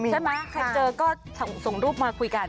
ใช่ไหมใครเจอก็ส่งรูปมาคุยกัน